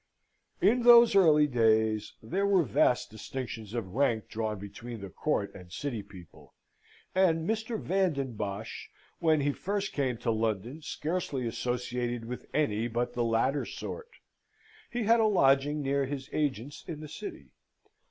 In those early days, there were vast distinctions of rank drawn between the court and city people: and Mr. Van den Bosch, when he first came to London, scarcely associated with any but the latter sort. He had a lodging near his agent's in the city.